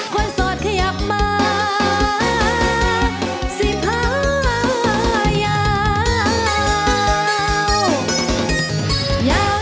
คนสดขยับมาสีผ้ายาว